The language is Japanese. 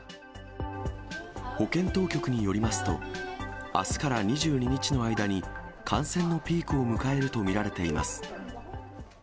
保健当局によりますと、あすから２２日の間に、感染のピークを迎えると見られています。